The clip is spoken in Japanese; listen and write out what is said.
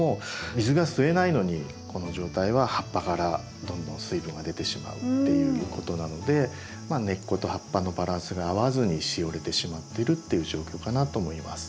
水が吸えないのにこの状態は葉っぱからどんどん水分が出てしまうっていうことなので根っこと葉っぱのバランスが合わずにしおれてしまってるっていう状況かなと思います。